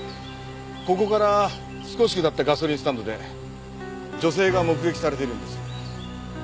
ここから少し下ったガソリンスタンドで女性が目撃されているんです。